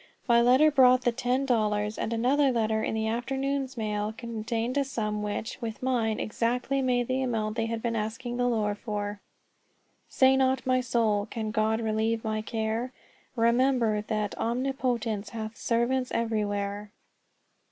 My letter brought the ten dollars; and another letter in the afternoon's mail contained a sum which, with mine, exactly made the amount they had been asking the Lord for. "Say not my soul, 'Can God relieve my care?' Remember that Omnipotence hath servants everywhere!"